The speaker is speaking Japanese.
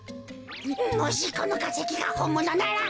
もしこのかせきがほんものなら。